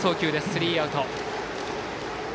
スリーアウト。